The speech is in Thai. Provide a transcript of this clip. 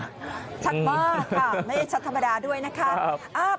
ชัดมากครับไม่ใช่ชัดธรรมดาด้วยนะครับ